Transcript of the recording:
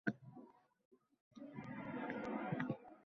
Haftasiga o`ttiz besh dollar olaman xolos, shunisigayam shukur